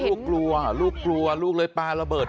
ลูกกลัวลูกกลัวลูกเลยปลาระเบิด